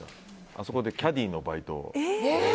あそこでキャディーのバイトを。